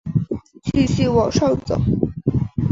继续往上走